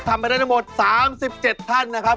ไปได้ทั้งหมด๓๗ท่านนะครับ